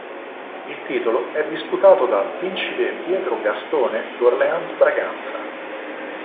Il titolo è disputato dal principe Pietro Gastone d'Orléans-Braganza.